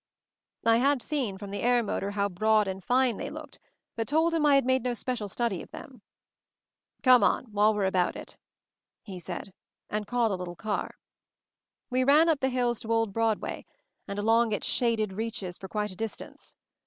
I had seen from the air motor how broad and fine they looked, but told him I had made no special study of them. "Come on — while we're about it," he said; and called a little car. We ran up the hills to Old Broadway, and along its shaded reaches for quite a distance.